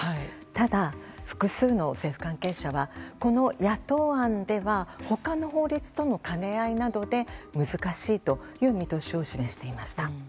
ただ、複数の政府関係者はこの野党案では他の法律との兼ね合いなどで難しいという見通しを示していました。